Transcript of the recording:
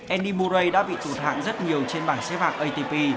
andy murray đã bị tụt hạng rất nhiều trên bảng xếp hạng atp